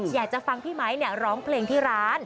อยากจะฟังพี่ไมค์ร้องเพลงที่ร้าน